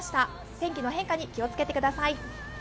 天気の変化に気をつけてください。